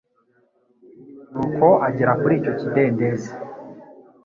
nuko agera kuri icyo kidendezi.